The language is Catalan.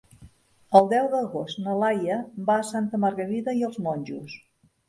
El deu d'agost na Laia va a Santa Margarida i els Monjos.